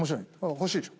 欲しいでしょ？